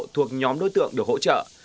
thuộc nhóm đối tượng được hỗ trợ